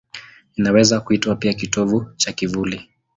Inaweza kuitwa pia kitovu cha kivuli.